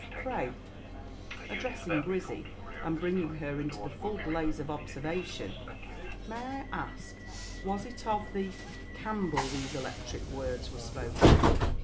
Pray," addressing Grizzy, and bringing her into the full blaze of observation, "may I ask, was it of the Campbell these electric words were spoken?